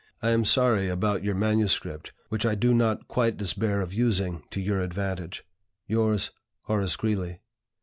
I am sorry about your MSS., which I do not quite despair of using to your advantage. "Yours, "HORACE GREELEY."